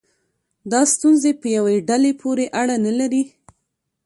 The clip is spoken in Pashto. دا ستونزې په یوې ډلې پورې اړه نه لري.